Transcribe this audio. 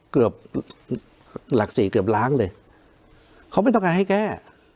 เกือบหลักสี่เกือบล้านเลยเขาไม่ต้องการให้แก้